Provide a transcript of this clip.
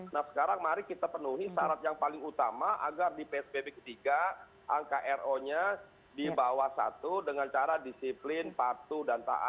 nah sekarang mari kita penuhi syarat yang paling utama agar di psbb ketiga angka ro nya di bawah satu dengan cara disiplin patuh dan taat